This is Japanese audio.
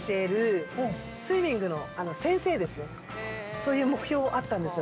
◆そういう目標あったんですよ